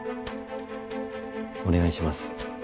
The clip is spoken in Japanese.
お願いします。